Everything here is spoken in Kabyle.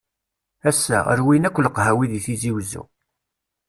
Ass-a, rwin akk leqhawi di Tizi Wezzu.